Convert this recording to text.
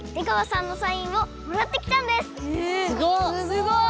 ・すごい！